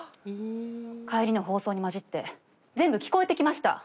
帰りの放送に交じって全部聞こえてきました。